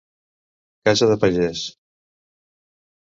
Casa de pagès.